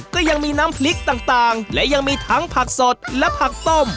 ก็ยังมีน้ำพริกต่างและยังมีทั้งผักสดและผักต้ม